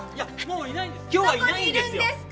今日はいないんですよ。